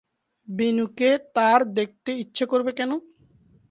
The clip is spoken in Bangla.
বিনুকে তার দেখতে ইচ্ছে করবে কেন?